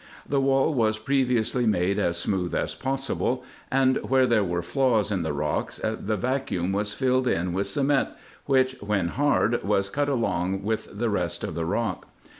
The wall was previously made as smooth as possible, and where there were flaws in the rocks, the vacuum was filled up with cement, which, when hard, was cut along with the rest of the rock.